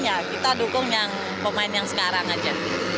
ya kita dukung yang pemain yang sekarang aja